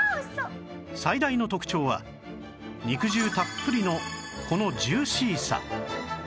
最大の特徴は肉汁たっぷりのこのジューシーさ